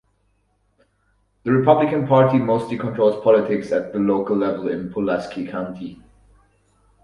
The Republican Party mostly controls politics at the local level in Pulaski County.